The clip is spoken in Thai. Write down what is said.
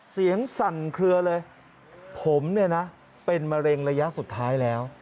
สั่นเคลือเลยผมเนี่ยนะเป็นมะเร็งระยะสุดท้ายแล้ว